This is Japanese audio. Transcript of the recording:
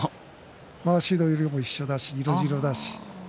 まわしの色も一緒だし色白だし。